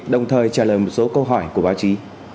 đồng thời trả lời một số câu hỏi của báo chí